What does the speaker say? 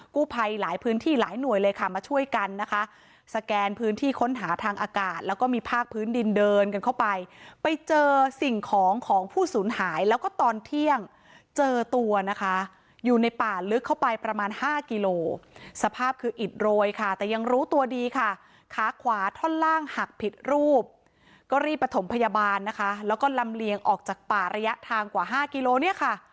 กู้ภัยหลายพื้นที่หลายหน่วยเลยค่ะมาช่วยกันนะคะสแกนพื้นที่ค้นหาทางอากาศแล้วก็มีภาคพื้นดินเดินกันเข้าไปไปเจอสิ่งของของผู้สูญหายแล้วก็ตอนเที่ยงเจอตัวนะคะอยู่ในป่าลึกเข้าไปประมาณห้ากิโลสภาพคืออิดโรยค่ะแต่ยังรู้ตัวดีค่ะขาขวาท่อนล่างหักผิดรูปก็รีบประถมพยาบาลนะคะแล้วก็ลำเลียงออกจากป่าระยะทางกว่าห้ากิโลเนี่ยค่ะ